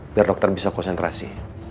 biar dokter bisa konsentrasi